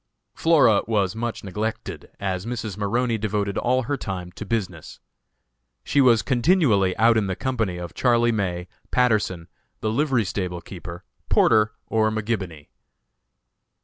Flora was much neglected, as Mrs. Maroney devoted all her time to business. She was continually out in the company of Charlie May, Patterson, the livery stable keeper, Porter, or McGibony.